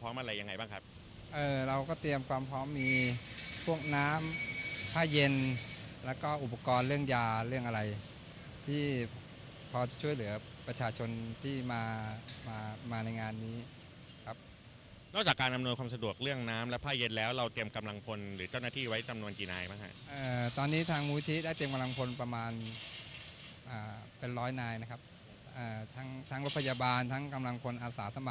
พร้อมมีพวงน้ำผ้าเย็นแล้วก็อุปกรณ์เรื่องยาเรื่องไรที่พอจะช่วยเหลือประชาชนที่มาในงานนี้ครับตอนนี้ทางมูลนิธิได้เตรียมกำลังผลประมาณเป็นร้อยนายนะครับ